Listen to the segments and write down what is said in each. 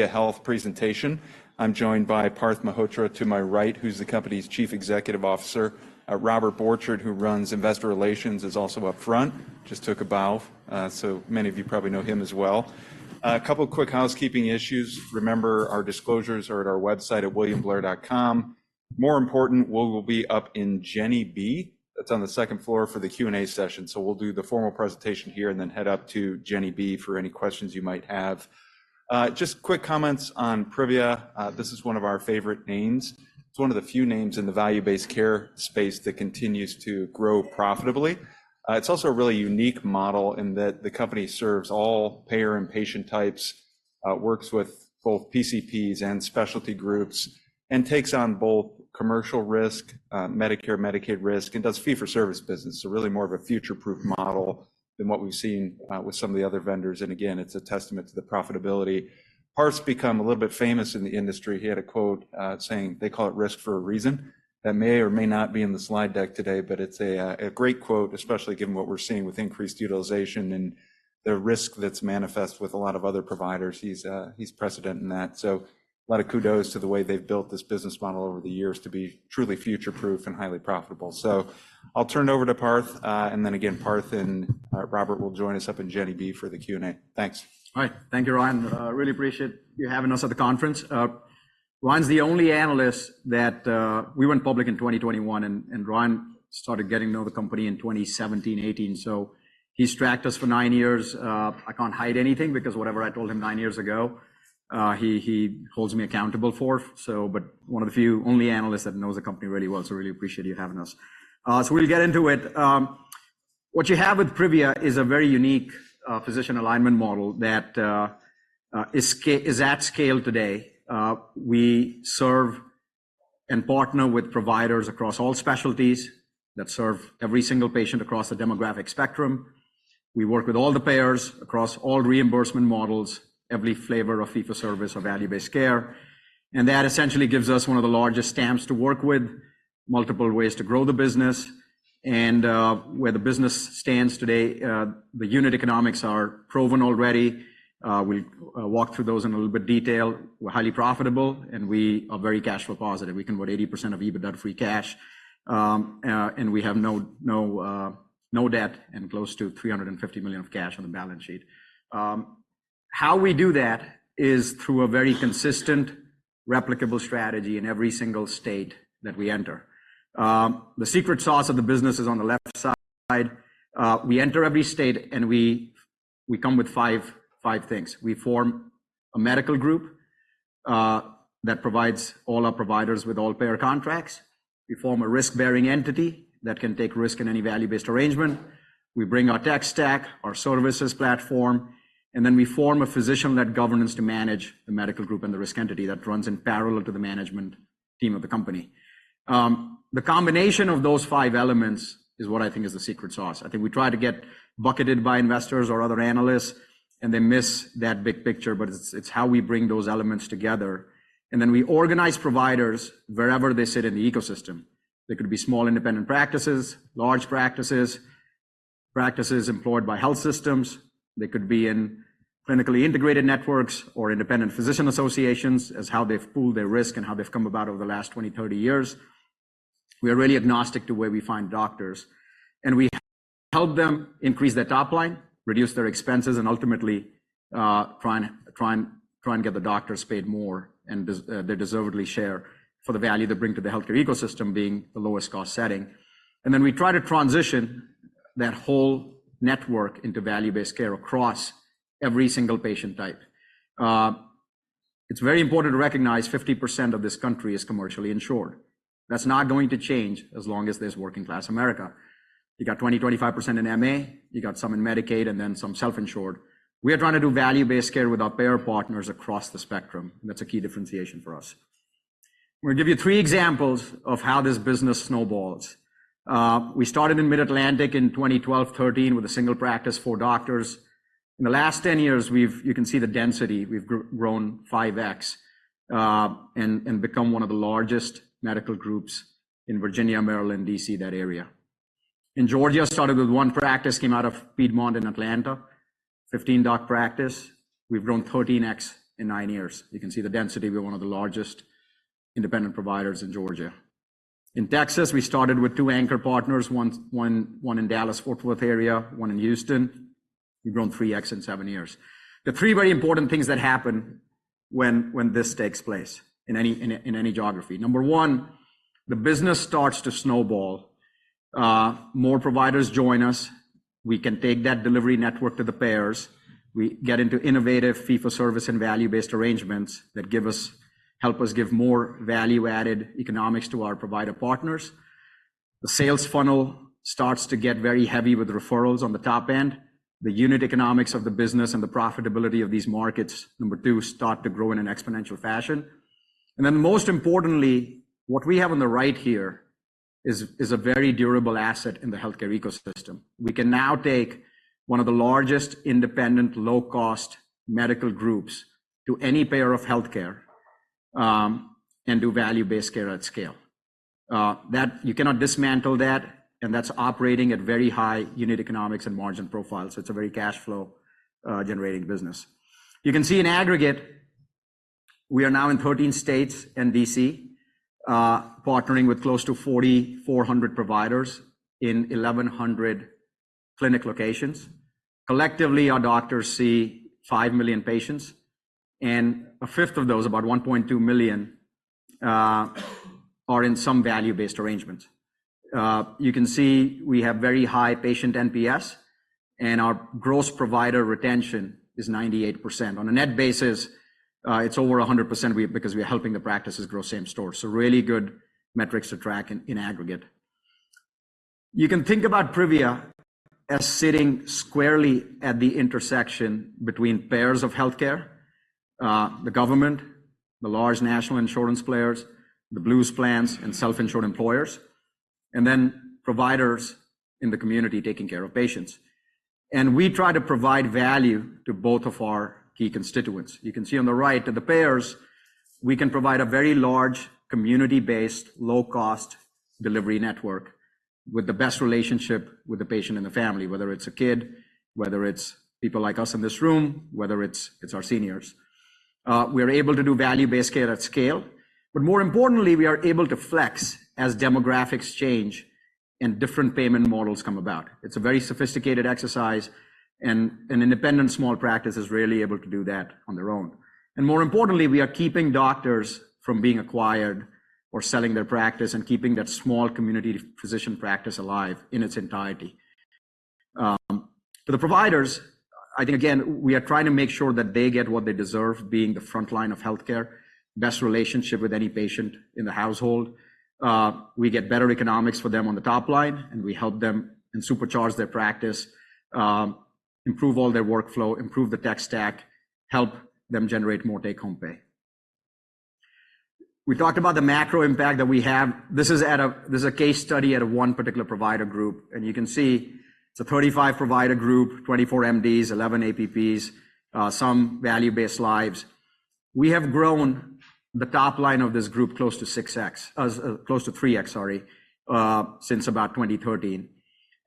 ...a health presentation. I'm joined by Parth Mehrotra to my right, who's the company's Chief Executive Officer. Robert Borchert, who runs Investor Relations, is also up front, just took a bow, so many of you probably know him as well. A couple quick housekeeping issues. Remember, our disclosures are at our website at williamblair.com. More important, we will be up in Jenner B, that's on the second floor, for the Q&A session. So we'll do the formal presentation here, and then head up to Jenner B for any questions you might have. Just quick comments on Privia. This is one of our favorite names. It's one of the few names in the value-based care space that continues to grow profitably. It's also a really unique model in that the company serves all payer and patient types, works with both PCPs and specialty groups, and takes on both commercial risk, Medicare, Medicaid risk, and does fee-for-service business. So really more of a future-proof model than what we've seen with some of the other vendors, and again, it's a testament to the profitability. Parth's become a little bit famous in the industry. He had a quote, saying, "They call it risk for a reason." That may or may not be in the slide deck today, but it's a great quote, especially given what we're seeing with increased utilization and the risk that's manifest with a lot of other providers. He's prescient in that. So a lot of kudos to the way they've built this business model over the years to be truly future-proof and highly profitable. So I'll turn it over to Parth, and then again, Parth and Robert will join us up in Jenner B for the Q&A. Thanks. Hi. Thank you, Ryan. Really appreciate you having us at the conference. Ryan's the only analyst that... We went public in 2021, and Ryan started getting to know the company in 2017, 2018, so he's tracked us for nine years. I can't hide anything because whatever I told him nine years ago, he holds me accountable for. So, but one of the few, only analysts that knows the company really well, so really appreciate you having us. So we'll get into it. What you have with Privia is a very unique physician alignment model that is at scale today. We serve and partner with providers across all specialties that serve every single patient across the demographic spectrum. We work with all the payers across all reimbursement models, every flavor of fee-for-service or value-based care, and that essentially gives us one of the largest TAMs to work with, multiple ways to grow the business. Where the business stands today, the unit economics are proven already. We'll walk through those in a little bit detail. We're highly profitable, and we are very cash flow positive. We convert 80% of EBITDA to free cash, and we have no debt and close to $350 million of cash on the balance sheet. How we do that is through a very consistent, replicable strategy in every single state that we enter. The secret sauce of the business is on the left side. We enter every state, and we come with five things. We form a medical group that provides all our providers with all payer contracts. We form a risk-bearing entity that can take risk in any value-based arrangement. We bring our tech stack, our services platform, and then we form a physician-led governance to manage the medical group and the risk entity that runs in parallel to the management team of the company. The combination of those five elements is what I think is the secret sauce. I think we try to get bucketed by investors or other analysts, and they miss that big picture, but it's, it's how we bring those elements together. And then we organize providers wherever they sit in the ecosystem. They could be small independent practices, large practices, practices employed by health systems. They could be in clinically integrated networks or independent physician associations as to how they've pooled their risk and how they've come about over the last 20-30 years. We are really agnostic to where we find doctors, and we help them increase their top line, reduce their expenses, and ultimately try and get the doctors paid more and deservedly share for the value they bring to the healthcare ecosystem, being the lowest cost setting. And then we try to transition that whole network into value-based care across every single patient type. It's very important to recognize 50% of this country is commercially insured. That's not going to change as long as there's working-class America. You got 20-25% in MA, you got some in Medicaid, and then some self-insured. We are trying to do value-based care with our payer partners across the spectrum, and that's a key differentiation for us. I'm gonna give you three examples of how this business snowballs. We started in Mid-Atlantic in 2012, 2013, with a single practice, 4 doctors. In the last 10 years, we've you can see the density, we've grown 5x, and become one of the largest medical groups in Virginia, Maryland, D.C., that area. In Georgia, started with one practice, came out of Piedmont in Atlanta, 15-doc practice. We've grown 13x in 9 years. You can see the density. We're one of the largest independent providers in Georgia. In Texas, we started with two anchor partners, one in Dallas, Fort Worth area, one in Houston. We've grown 3x in 7 years. There are three very important things that happen when this takes place in any geography. Number one, the business starts to snowball. More providers join us. We can take that delivery network to the payers. We get into innovative fee-for-service and value-based arrangements that help us give more value-added economics to our provider partners. The sales funnel starts to get very heavy with referrals on the top end. The unit economics of the business and the profitability of these markets, number two, start to grow in an exponential fashion. And then, most importantly, what we have on the right here is a very durable asset in the healthcare ecosystem. We can now take one of the largest, independent, low-cost medical groups to any payer of healthcare, and do value-based care at scale. That you cannot dismantle that, and that's operating at very high unit economics and margin profiles. So it's a very cash flow generating business. You can see in aggregate, we are now in 13 states and DC, partnering with close to 4,400 providers in 1,100 clinic locations. Collectively, our doctors see 5 million patients, and a fifth of those, about 1.2 million, are in some value-based arrangements. You can see we have very high patient NPS, and our gross provider retention is 98%. On a net basis, it's over 100% we because we are helping the practices grow same store. So really good metrics to track in aggregate. You can think about Privia as sitting squarely at the intersection between payers of healthcare, the government, the large national insurance players, the Blues plans, and self-insured employers, and then providers in the community taking care of patients. We try to provide value to both of our key constituents. You can see on the right, to the payers, we can provide a very large, community-based, low-cost delivery network with the best relationship with the patient and the family, whether it's a kid, whether it's people like us in this room, whether it's, it's our seniors. We are able to do value-based care at scale, but more importantly, we are able to flex as demographics change and different payment models come about. It's a very sophisticated exercise, and an independent small practice is rarely able to do that on their own. More importantly, we are keeping doctors from being acquired or selling their practice and keeping that small community physician practice alive in its entirety. For the providers, I think, again, we are trying to make sure that they get what they deserve, being the frontline of healthcare, best relationship with any patient in the household. We get better economics for them on the top line, and we help them and supercharge their practice, improve all their workflow, improve the tech stack, help them generate more take-home pay. We talked about the macro impact that we have. This is a case study at one particular provider group, and you can see it's a 35-provider group, 24 MDs, 11 APPs, some value-based lives. We have grown the top line of this group close to 6x, close to 3x, sorry, since about 2013,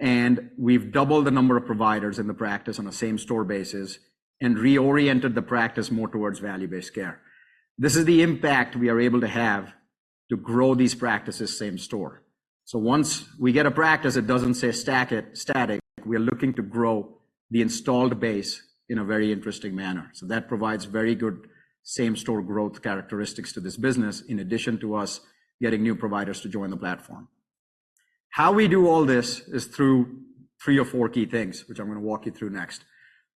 and we've doubled the number of providers in the practice on a same-store basis and reoriented the practice more towards value-based care. This is the impact we are able to have to grow these practices same store. So once we get a practice, it doesn't stay static. We are looking to grow the installed base in a very interesting manner. So that provides very good same-store growth characteristics to this business, in addition to us getting new providers to join the platform. How we do all this is through three or four key things, which I'm gonna walk you through next.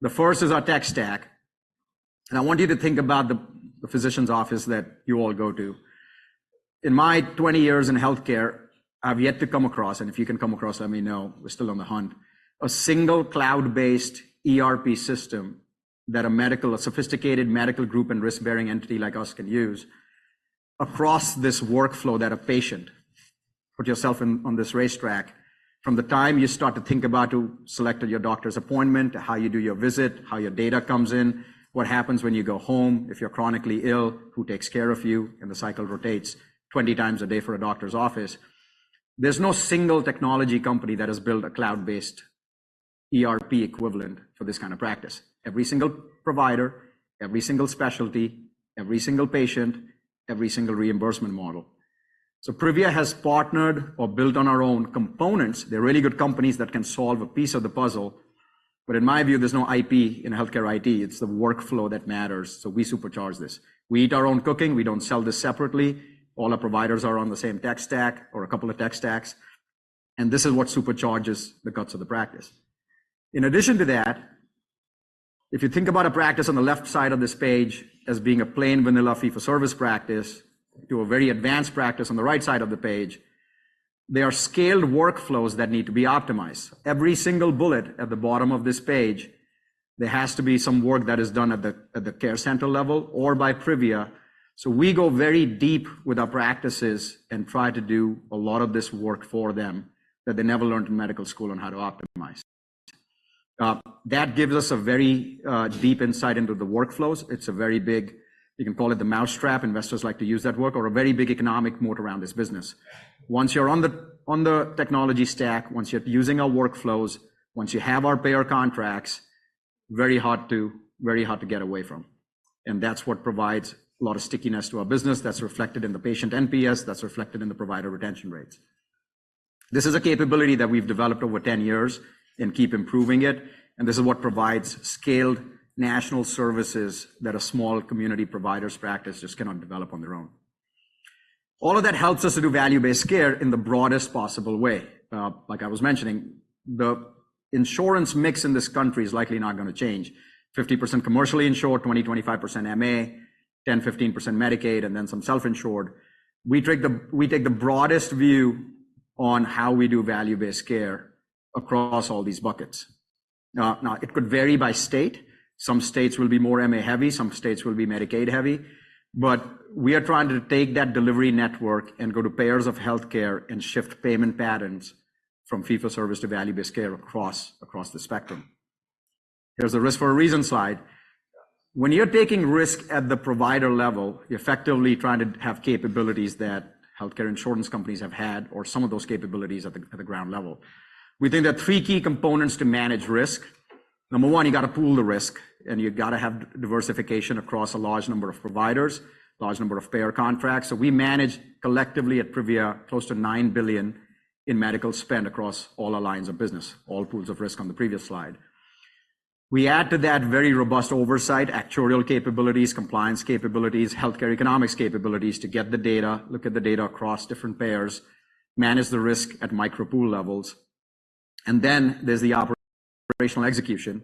The first is our tech stack, and I want you to think about the physician's office that you all go to. In my 20 years in healthcare, I've yet to come across, and if you can come across, let me know, we're still on the hunt, a single cloud-based ERP system that a medical, a sophisticated medical group and risk-bearing entity like us can use across this workflow that a patient... Put yourself in, on this racetrack, from the time you start to think about to selected your doctor's appointment, to how you do your visit, how your data comes in, what happens when you go home, if you're chronically ill, who takes care of you, and the cycle rotates 20 times a day for a doctor's office. There's no single technology company that has built a cloud-based ERP equivalent for this kind of practice. Every single provider, every single specialty, every single patient, every single reimbursement model. So Privia has partnered or built on our own components. They're really good companies that can solve a piece of the puzzle, but in my view, there's no IP in healthcare IT. It's the workflow that matters, so we supercharge this. We eat our own cooking. We don't sell this separately. All our providers are on the same tech stack or a couple of tech stacks, and this is what supercharges the guts of the practice. In addition to that, if you think about a practice on the left side of this page as being a plain vanilla fee-for-service practice to a very advanced practice on the right side of the page, there are scaled workflows that need to be optimized. Every single bullet at the bottom of this page, there has to be some work that is done at the care center level or by Privia. So we go very deep with our practices and try to do a lot of this work for them, that they never learned in medical school on how to optimize. That gives us a very deep insight into the workflows. It's a very big, you can call it the mousetrap, investors like to use that word, or a very big economic moat around this business. Once you're on the, on the technology stack, once you're using our workflows, once you have our payer contracts, very hard to, very hard to get away from. And that's what provides a lot of stickiness to our business. That's reflected in the patient NPS, that's reflected in the provider retention rates. This is a capability that we've developed over 10 years and keep improving it, and this is what provides scaled national services that a small community provider's practice just cannot develop on their own. All of that helps us to do value-based care in the broadest possible way. Like I was mentioning, the insurance mix in this country is likely not gonna change. 50% commercially insured, 20-25% MA, 10-15% Medicaid, and then some self-insured. We take the, we take the broadest view on how we do value-based care across all these buckets. Now it could vary by state. Some states will be more MA heavy, some states will be Medicaid heavy, but we are trying to take that delivery network and go to payers of healthcare and shift payment patterns from fee-for-service to value-based care across the spectrum. There's a risk for a reason slide. When you're taking risk at the provider level, you're effectively trying to have capabilities that healthcare insurance companies have had, or some of those capabilities at the, at the ground level. We think there are three key components to manage risk. Number one, you got to pool the risk, and you've got to have diversification across a large number of providers, large number of payer contracts. So we manage collectively at Privia, close to $9 billion in medical spend across all our lines of business, all pools of risk on the previous slide. We add to that very robust oversight, actuarial capabilities, compliance capabilities, healthcare economics capabilities to get the data, look at the data across different payers, manage the risk at micro pool levels. Then there's the operational execution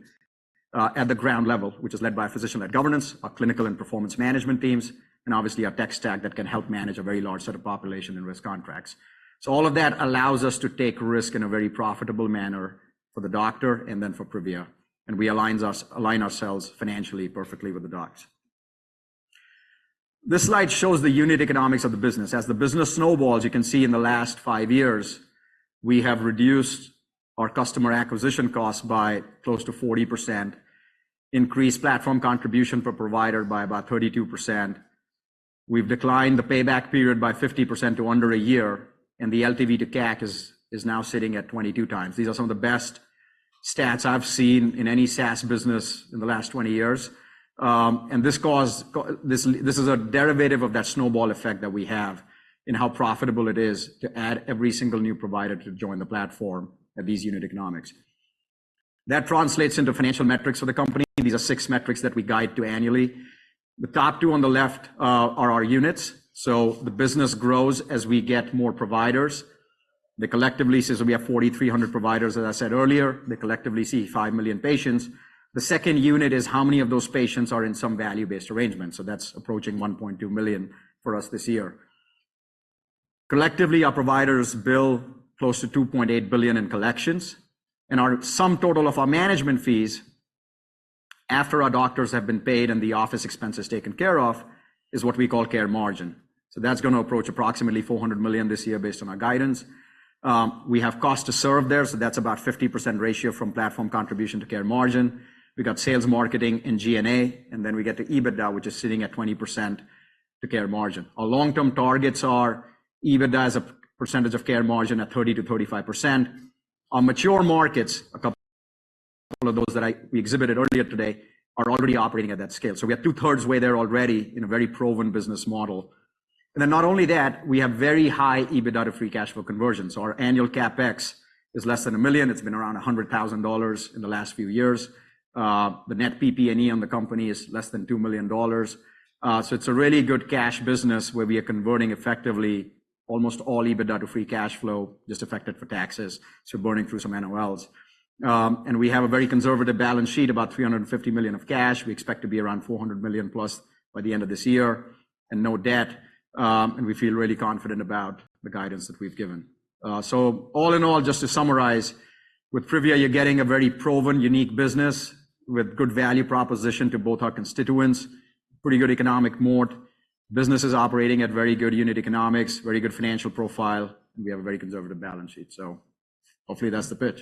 at the ground level, which is led by physician-led governance, our clinical and performance management teams, and obviously, our tech stack that can help manage a very large set of population and risk contracts. So all of that allows us to take risk in a very profitable manner for the doctor and then for Privia, and we align ourselves financially perfectly with the docs. This slide shows the unit economics of the business. As the business snowballs, you can see in the last five years, we have reduced our customer acquisition cost by close to 40%, increased platform contribution per provider by about 32%. We've declined the payback period by 50% to under a year, and the LTV to CAC is now sitting at 22x. These are some of the best stats I've seen in any SaaS business in the last 20 years. This is a derivative of that snowball effect that we have in how profitable it is to add every single new provider to join the platform at these unit economics. That translates into financial metrics for the company. These are six metrics that we guide to annually. The top two on the left are our units, so the business grows as we get more providers. They collectively, so we have 4,300 providers, as I said earlier, they collectively see 5 million patients. The second unit is how many of those patients are in some value-based arrangement, so that's approaching 1.2 million for us this year. Collectively, our providers bill close to $2.8 billion in collections, and our sum total of our management fees, after our doctors have been paid and the office expenses taken care of, is what we call Care Margin. So that's gonna approach approximately $400 million this year based on our guidance. We have cost to serve there, so that's about 50% ratio from platform contribution to Care Margin. We got sales, marketing, and G&A, and then we get to EBITDA, which is sitting at 20% to Care Margin. Our long-term targets are EBITDA as a percentage of Care Margin at 30%-35%. Our mature markets, a couple of those that we exhibited earlier today, are already operating at that scale. So we are two-thirds way there already in a very proven business model. And then not only that, we have very high EBITDA to free cash flow conversion. So our annual CapEx is less than $1 million. It's been around $100,000 in the last few years. The net PP&E on the company is less than $2 million. So it's a really good cash business where we are converting effectively almost all EBITDA to free cash flow, just affected for taxes, so burning through some NOLs. And we have a very conservative balance sheet, about $350 million of cash. We expect to be around $400 million+ by the end of this year and no debt, and we feel really confident about the guidance that we've given. So all in all, just to summarize, with Privia, you're getting a very proven, unique business with good value proposition to both our constituents, pretty good economic moat. Business is operating at very good unit economics, very good financial profile, and we have a very conservative balance sheet. So hopefully, that's the pitch.